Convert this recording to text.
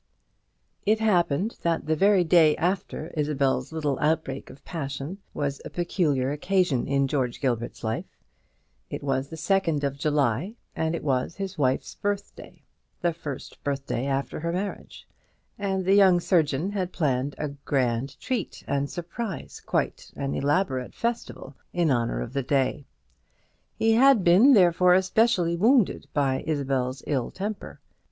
It happened that the very day after Isabel's little outbreak of passion was a peculiar occasion in George Gilbert's life. It was the 2nd of July, and it was his wife's birthday, the first birthday after her marriage; and the young surgeon had planned a grand treat and surprise, quite an elaborate festival, in honour of the day. He had been, therefore, especially wounded by Isabel's ill temper.